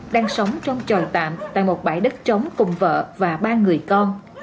đang sống trong tròi tạm tại một bãi đất trống cùng vợ và ba người con